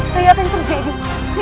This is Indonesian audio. rai akan terjadi